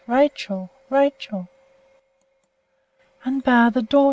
Rachel! Rachel!" "Unbar the door!"